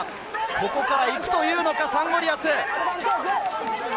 ここからいくというのかサンゴリアス！